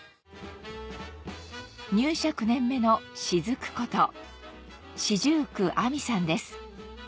入社９年目の雫こと四十九亜実さんです